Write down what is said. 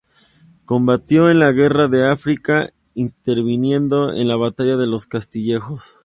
Combatió en la guerra de África, interviniendo en la batalla de los Castillejos.